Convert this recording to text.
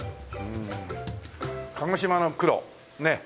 鹿児島の黒ねっ。